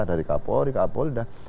dari kapolri kapolda